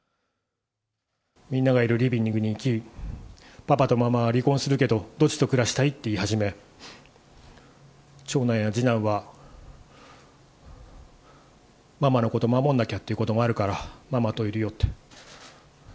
みんながいるリビングに行き、パパとママは離婚するけどどっちと暮らしたい？って言い始め、長男や次男は、ママのこと守んなきゃってこともあるからママといるよって。